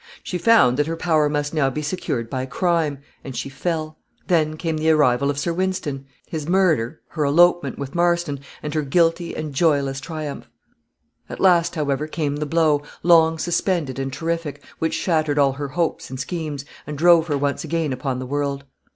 She found that her power must now be secured by crime, and she fell. Then came the arrival of Sir Wynston his murder her elopement with Marston, and her guilty and joyless triumph. At last, however, came the blow, long suspended and terrific, which shattered all her hopes and schemes, and drove her once again upon the world.